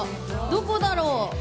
どこだろう？